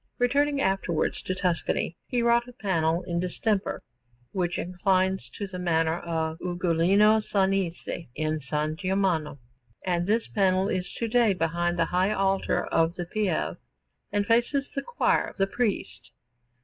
Returning afterwards to Tuscany, he wrought a panel in distemper, which inclines to the manner of Ugolino Sanese, in San Gimignano; and this panel is to day behind the high altar of the Pieve, and faces the choir of the priests.